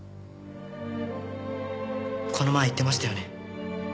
この前言ってましたよね。